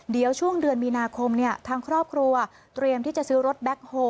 เดี๋ยวช่วงเดือนมีนาคมทางครอบครัวเตรียมที่จะซื้อรถแบ็คโฮล